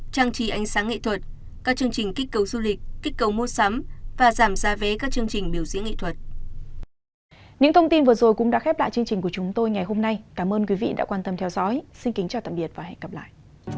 trang trí ánh sáng nghệ thuật các chương trình kích cấu du lịch kích cấu mô sắm và giảm giá vé các chương trình biểu diễn nghệ thuật